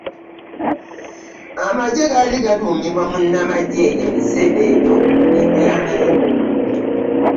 Amagye gaali gaduumirwa munnamagye ebiseera ebyo Iddi Amin.